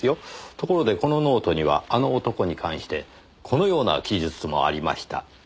ところでこのノートには「あの男」に関してこのような記述もありました。